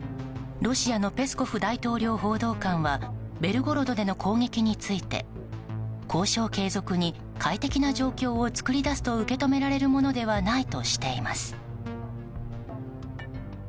ロシアのペスコフ大統領報道官はベルゴロドでの攻撃について交渉継続に快適な状況を作り出すと受け止められるものではないとしています。